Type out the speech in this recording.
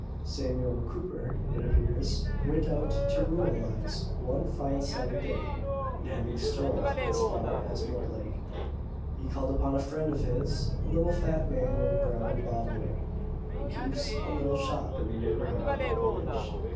Samuel Cooper, it appears, went out to ruralise one fine sunny day, and having strolled as far as Mortlake, he called upon a friend of his, a little fat man in a brown bob wig, who keeps a little shop in the neighbourhood of that village.